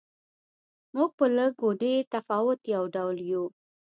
موږ په لږ و ډېر تفاوت یو ډول یو.